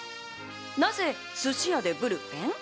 なぜ、寿司屋でブルペン？